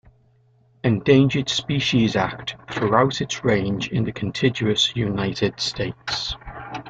Endangered Species Act throughout its range in the contiguous United States.